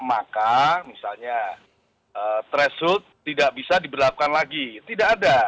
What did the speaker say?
maka misalnya threshold tidak bisa diberlakukan lagi tidak ada